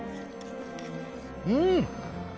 うん！